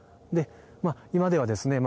今ではですね